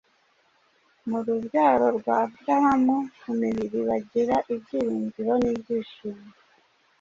mu rubyaro rwa Aburahamu ku mibiri bagira ibyiringiro n’ibyishimo.